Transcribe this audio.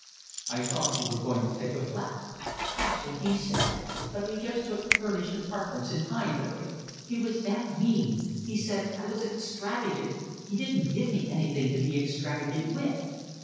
"I thought you were going to take a flat." "That's what he said, but we just took furnished apartments in Highbury. He was that mean. He said I was extravagant, he didn't give me anything to be extravagant with."